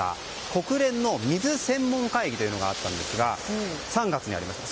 国連の水専門会議というのがあったんですが３月にありました。